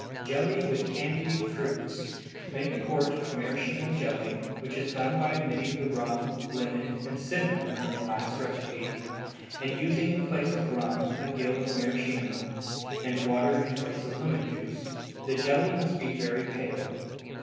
Jelly with Candied Fruits. Make a quart of maraschino jelly, which is done by omitting the rum, lemon, and cinnamon from the last recipe, and using in place of rum a gill of maraschino, and water in place of lemon juice. The jelly must be very pale.